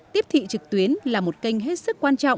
tiếp thị trực tuyến là một kênh hết sức